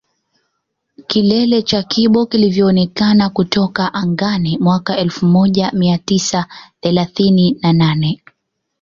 Kilele cha Kibo kilivyoonekana kutoka angani mwaka elfu moja mia tisa thelathini na nane